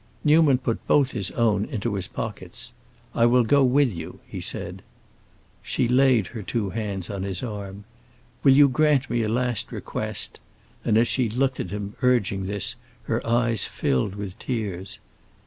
Newman put both his own into his pockets. "I will go with you," he said. She laid her two hands on his arm. "Will you grant me a last request?" and as she looked at him, urging this, her eyes filled with tears.